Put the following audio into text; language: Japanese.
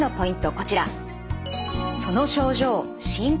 こちら。